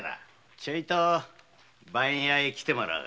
ちょいと番屋へ来てもらおうか。